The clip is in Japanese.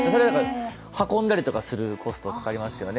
運んだりとかするコストかかりますよね。